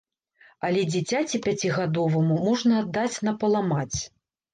Але дзіцяці пяцігадоваму можна аддаць на паламаць.